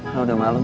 lo udah malem